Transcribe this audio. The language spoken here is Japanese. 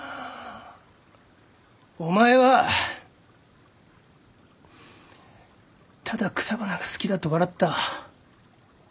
お前はただ草花が好きだと笑った。